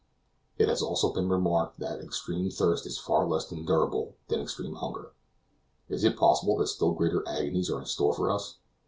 It has often been remarked that extreme thirst is far less endurable than extreme hunger. Is it possible that still greater agonies are in store for us?